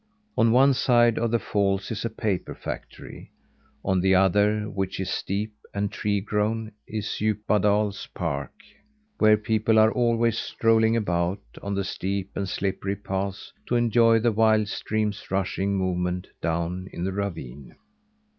On one side of the falls is a paper factory; on the other which is steep, and tree grown is Djupadal's park, where people are always strolling about on the steep and slippery paths to enjoy the wild stream's rushing movement down in the ravine.